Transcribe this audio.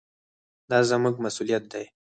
دا زموږ مسوولیت دی.